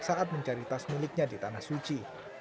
saat mencari tas miliknya di tanah suci